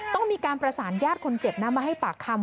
ต้องมีการประสานญาติคนเจ็บนะมาให้ปากคำ